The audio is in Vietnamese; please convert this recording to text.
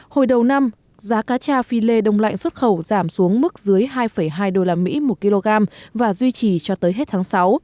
hồi đầu năm giá cá cha phi lê đông lạnh xuất khẩu giảm xuống mức dưới hai hai usd một kg và duy trì cho tới hết tháng sáu